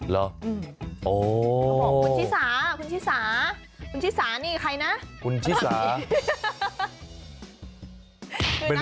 เขาบอกคุณชิสาคุณชิสาคุณชิสานี่ใครนะ